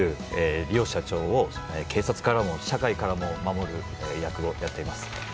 梨央社長を警察からも社会からも守る役をやっています。